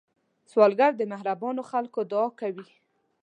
سوالګر د مهربانو خلکو دعا کوي